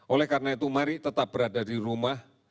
oleh karena itu mari tetap berada di rumah